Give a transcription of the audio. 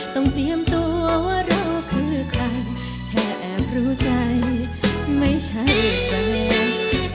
ต้องเจียมตัวว่าเราคือใครแทบรู้ใจไม่ใช่แฟน